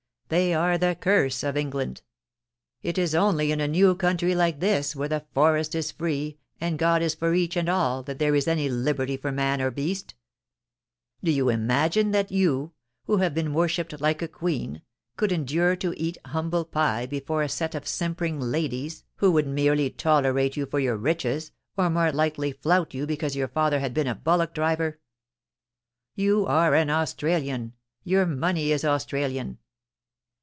They are the curse of England It is only in a new country like this, where the forest is free, and God is for each and all, that there is any liberty for man or beast Do you imagine that you, who have been wor shipped like a queen, could endure to eat humble pie before a set of simpering ladies who would merely tolerate you for 256 POLICY AND PASSION, your riches, or more likely flout you because your father had been a bullock driver ? You are an Australian — your money is Australian.